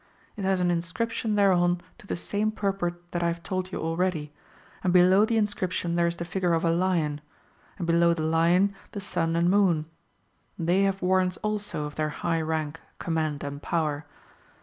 It has an inscription thereon to the same purport that I have told you already, and below the inscription there is the figure of a lion, and below the lion the sun and moon. They have warrants also of their high rank, command, and power.